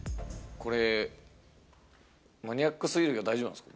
これ、マニアックすぎるけど、大丈夫なんですか？